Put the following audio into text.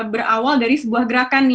berawal dari sebuah gerakan